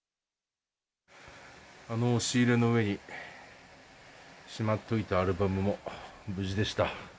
あの押し入れの上に、しまっておいたアルバムも無事でした。